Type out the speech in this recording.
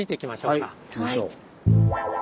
はい行きましょう。